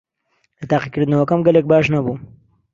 لە تاقیکردنەوەکەم گەلێک باش نەبووم.